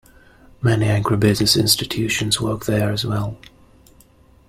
Many agribusiness institutions work there as well.